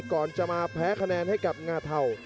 ก่อนจะมาแพ้คะแนนให้กับงาเทา